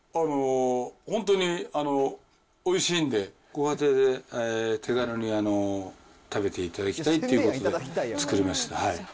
本当においしいんで、ご家庭で手軽に食べていただきたいっていうことで、作りました。